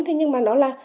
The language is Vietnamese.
thế nhưng mà nó là